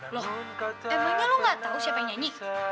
loh emangnya lo gak tau siapa yang nyanyi